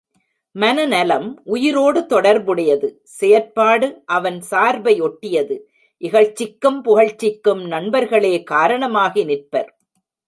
மனநலம் உயிரோடு தொடர்பு உடையது செயற்பாடு அவன் சார்பை ஒட்டியது இகழ்ச்சிக்கும் புகழ்ச்சிக்கும் நண்பர்களே காரணம் ஆகி நிற்பர்.